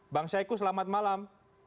bang syahiku selamat malam